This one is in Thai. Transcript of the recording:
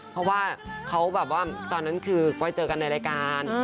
เพราะว่าเขาแบบว่าตอนนั้นคือไว้เจอกันในรายการ